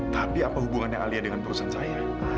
tapi apa hubungannya alia dengan perusahaan saya